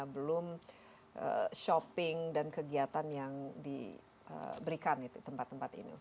belum shopping dan kegiatan yang diberikan di tempat tempat ini